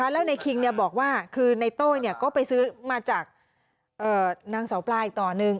แล้วนายคิงเนี่ยบอกว่าคือในโต้ยเนี่ยก็ไปซื้อมาจากนางเสาปลาอีกต่อนึง